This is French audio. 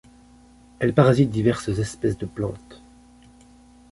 Elle parasite diverses espèces de plantes.